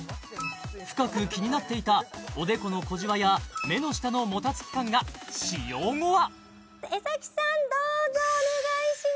深く気になっていたおでこの小じわや目の下のもたつき感が使用後は江崎さんどうぞお願いします！